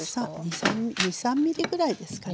２３ｍｍぐらいですかね。